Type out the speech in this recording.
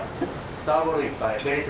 スターボールいっぱい。